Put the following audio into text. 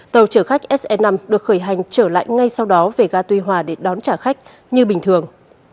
tàu trở khách sn năm được khởi hành trở lại ngay sau đó về gà tuy hòa để đón trả khách như bình thường